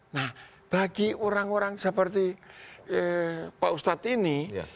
nah bagi orang orang seperti pak ustadz ini